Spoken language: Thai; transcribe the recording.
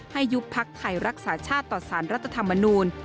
ยุบพักไทยรักษาชาติต่อสารรัฐธรรมนูล